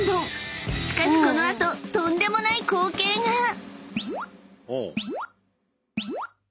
［しかしこの後とんでもない光景が！］